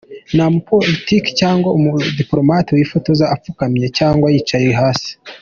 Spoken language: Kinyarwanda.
Nta mu politisiye cyangwa umudipolomate wifotoza apfukamye cyangwa yicaye hasi.